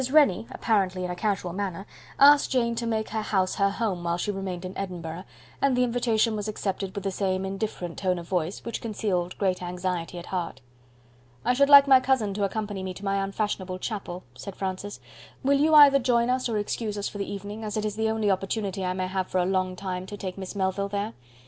Rennie, apparently in a casual manner, asked Jane to make her house her home while she remained in Edinburgh; and the invitation was accepted with the same indifferent tone of voice, which concealed great anxiety at heart. "I should like my cousin to accompany me to my unfashionable chapel," said Francis. "Will you either join us or excuse us for the evening, as it is the only opportunity I may have for a long time to take Miss Melville there?